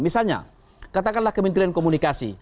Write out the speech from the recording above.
misalnya katakanlah kementerian komunikasi